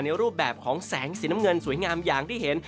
รูปแบบของแสงสีน้ำเงินสวยงามอย่างที่เห็น